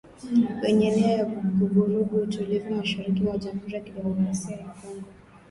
Wenye nia ya kuvuruga utulivu mashariki mwa Jamhuri ya Kidemokrasia ya Kongo.